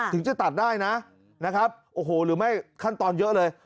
ถึงจะตัดได้นะนะครับโอ้โหหรือไม่ขั้นตอนเยอะเลย